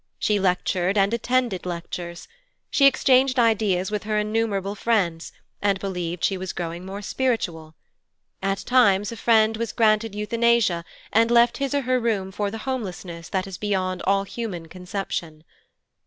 She lectured and attended lectures. She exchanged ideas with her innumerable friends and believed she was growing more spiritual. At times a friend was granted Euthanasia, and left his or her room for the homelessness that is beyond all human conception.